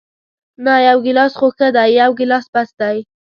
نه، یو ګیلاس خو ښه دی، یو ګیلاس بس دی.